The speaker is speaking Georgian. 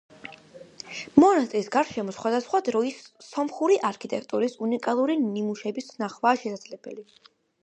მონასტრის გარშემო სხვადასხვა დროის სომხური არქიტექტურის უნიკალური ნიმუშების ნახვაა შესაძლებელი.